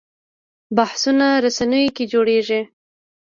بحثونه رسنیو کې جوړېږي